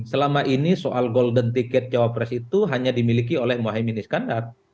selama ini soal golden ticket cawapres itu hanya dimiliki oleh mohaimin iskandar